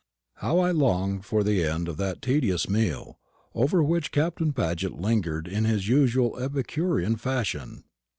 How I longed for the end of that tedious meal, over which Captain Paget lingered in his usual epicurean fashion!